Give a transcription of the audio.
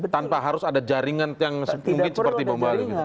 tanpa harus ada jaringan yang mungkin seperti bumbalu